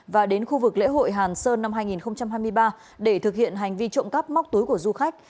và đến khu vực lễ hội hàn sơn năm hai nghìn hai mươi ba để thực hiện hành vi trộm cắp móc túi của du khách